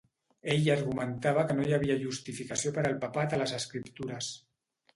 Ell argumentava que no hi havia justificació per al papat a les escriptures.